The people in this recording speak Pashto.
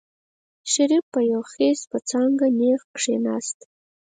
شريف په يو خېز په څانګه نېغ کېناست.